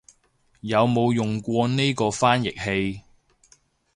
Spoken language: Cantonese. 有冇用過呢個翻譯器